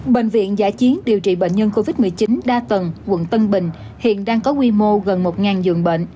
bệnh viện giả chiến điều trị bệnh nhân covid một mươi chín đa tầng quận tân bình hiện đang có quy mô gần một dường bệnh